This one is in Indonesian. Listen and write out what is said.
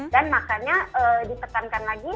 dan makanya diperkankan lagi